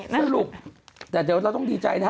หมดลูกแต่เดี๋ยวเราต้องดีใจนะครับ